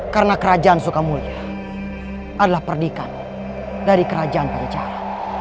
karena kerajaan sukamulya adalah perdikan dari kerajaan pancara